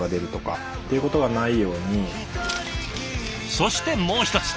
そしてもう一つ。